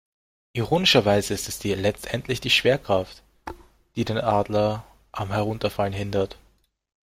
Ironischerweise ist es letztendlich die Schwerkraft, die den Adler am Herunterfallen hindert.